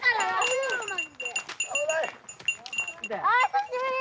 久しぶり。